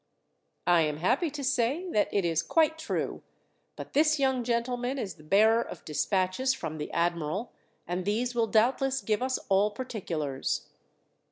"I am happy to say that it is quite true; but this young gentleman is the bearer of despatches from the admiral, and these will doubtless give us all particulars."